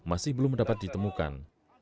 masih belum dapat ditemukan